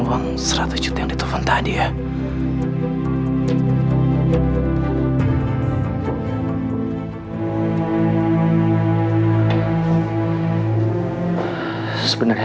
aku tidak mengerti